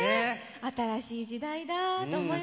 新しい時代だと思いました。